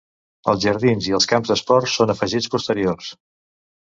Els jardins i els camps d'esports són afegits posteriors.